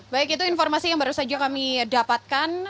baik itu informasi yang baru saja kami dapatkan